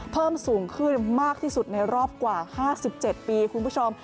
เพิ่มสูงขึ้นมากที่สุดในรอบกว่า๕๗ปีคุณผู้ชม